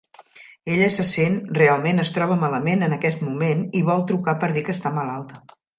Ella se sent realment es troba malament en aquest moment i vol trucar per dir que està malalta.